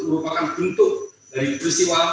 merupakan bentuk dari peristiwa